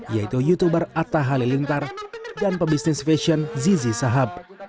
yaitu youtuber atta halilintar dan pebisnis fashion zizi saham